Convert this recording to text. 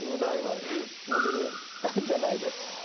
モデルじゃないです。